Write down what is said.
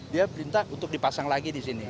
dia perintah untuk dipasang lagi di sini